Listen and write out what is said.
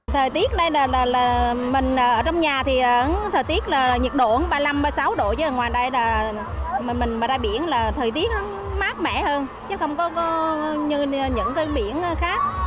thời tiết ở trong nhà thì thời tiết là nhiệt độ ba mươi năm ba mươi sáu độ chứ ngoài đây là mình bà ra biển là thời tiết mát mẻ hơn chứ không có như những cái biển khác